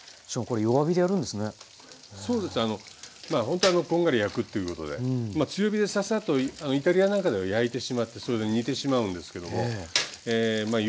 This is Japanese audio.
ほんとこんがり焼くっていうことで強火でサッサッとイタリアなんかでは焼いてしまってそれで煮てしまうんですけどもえまあ